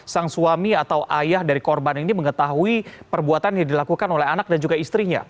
sang suami atau ayah dari korban ini mengetahui perbuatan yang dilakukan oleh anak dan juga istrinya